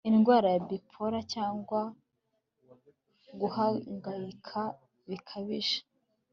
indwara ya bipolar cyangwa guhangayika bikabije